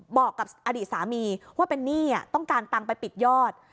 บอกกับอดีตสามีว่าเป็นหนี้ต้องการตังค์ไปปิดยอด